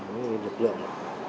những lực lượng